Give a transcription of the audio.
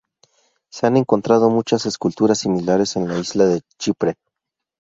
Se han encontrado muchas esculturas similares en la isla de Chipre.